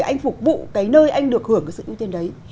anh phục vụ cái nơi anh được hưởng cái sự ưu tiên đấy